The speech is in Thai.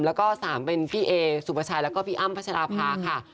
แล้วก็๓เป็นพี่เอสุปชัยแล้วก็พี่อ้ำพัชราภาค่ะ